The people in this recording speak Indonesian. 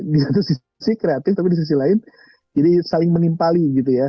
di satu sisi kreatif tapi di sisi lain jadi saling menimpali gitu ya